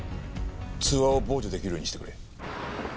通話を傍受出来るようにしてくれ。